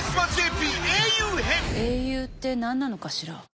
「英雄って何なのかしら」